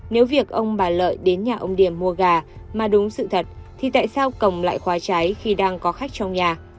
nếu việc ông bà lợi đến nhà ông điểm mua gà mà đúng sự thật thì tại sao cổng lại khóa cháy khi đang có khách trong nhà